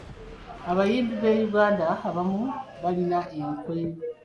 Abayimbi b’e Uganda abamu balina enkwe.